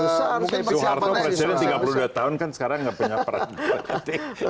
suharto presiden tiga puluh dua tahun kan sekarang nggak punya partai politik